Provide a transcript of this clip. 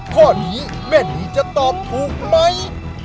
ข้อนี้แม่นีจะตอบถูกไหม